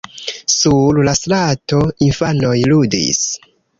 Sur la strato infanoj ludis.